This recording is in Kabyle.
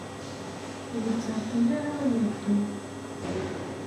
Ur yettɛeḍḍil ara ad yeddu.